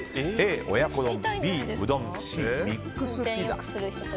Ａ、親子丼Ｂ、うどんＣ、ミックスピザ。